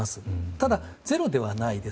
ただ、ゼロではないです。